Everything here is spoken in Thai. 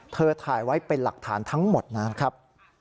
ถ่ายไว้เป็นหลักฐานทั้งหมดนะครับ